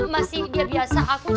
masih dia biasa aku jadi